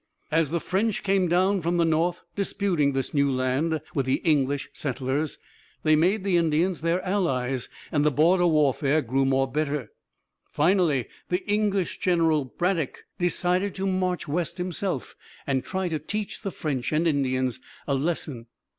As the French came down from the north disputing this new land with the English settlers they made the Indians their allies, and the border warfare grew more bitter. Finally the English general Braddock decided to march west himself and try to teach the French and Indians a lesson.